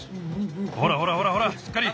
ほらほらほらほらしっかり。